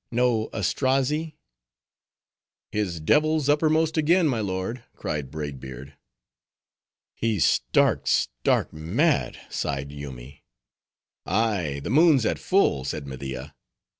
no Astrazzi?" "His devil's uppermost again, my lord," cried Braid Beard. "He's stark, stark mad!" sighed Yoomy. "Ay, the moon's at full," said Media.